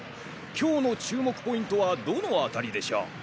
今日の注目ポイントはどのあたりでしょう。